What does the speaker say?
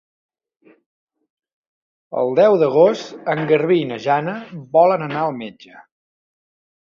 El deu d'agost en Garbí i na Jana volen anar al metge.